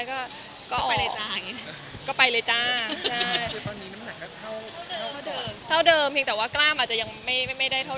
โอเคคุณออกกำลังกายได้ตัว